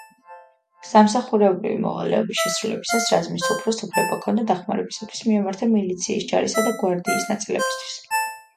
სამსახურებრივი მოვალეობის შესრულებისას რაზმის უფროსს უფლება ჰქონდა, დახმარებისათვის მიემართა მილიციის, ჯარისა და გვარდიის ნაწილებისათვის.